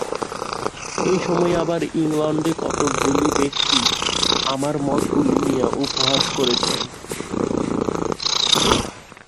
এই সময়ে আবার ইংলণ্ডে কতকগুলি ব্যক্তি আমার মতগুলি নিয়ে উপহাস করেছেন।